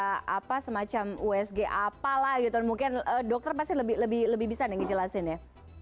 terus ada kredmil terus ada apa semacam usg apalah gitu mungkin dokter pasti lebih bisa nih ngejelasin ya